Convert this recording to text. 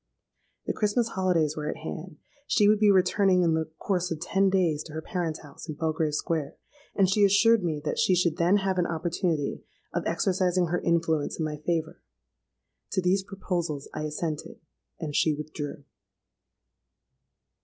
The Christmas holidays were at hand: she would be returning in the course of ten days to her parents' house in Belgrave Square; and she assured me that she should then have an opportunity of exercising her influence in my favour. To these proposals I assented; and she withdrew.